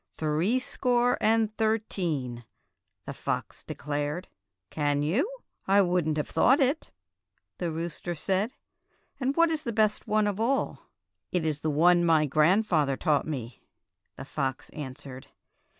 '^ "Threescore and thirteen," the fox de clared. " Can you? I would n't have thought it," the rooster said; "and what is the best one of all.?" "It is one my grandfather taught me," the fox answered.